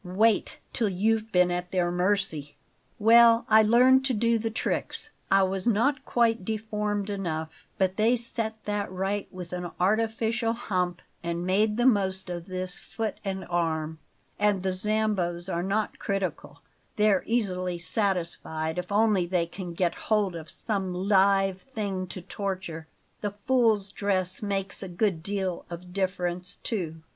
Wait till you've been at their mercy! "Well, I learned to do the tricks. I was not quite deformed enough; but they set that right with an artificial hump and made the most of this foot and arm And the Zambos are not critical; they're easily satisfied if only they can get hold of some live thing to torture the fool's dress makes a good deal of difference, too.